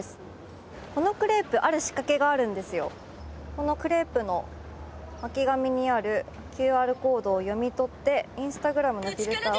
このクレープの巻き紙にあるＱＲコードを読み取ってインスタグラムのフィルターを。